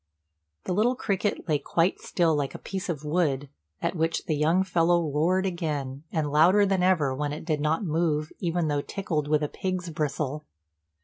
The little cricket lay quite still like a piece of wood, at which the young fellow roared again, and louder than ever when it did not move even though tickled with a pig's bristle.